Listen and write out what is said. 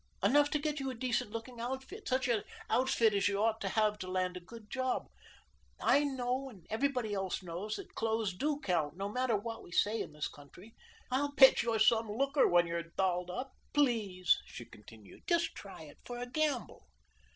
Enough to get you a decent looking outfit, such an outfit as you ought to have to land a good job. I know, and everybody else knows, that clothes do count no matter what we say to the contrary. I'll bet you're some looker when you're dolled up! Please," she continued, "just try it for a gamble?"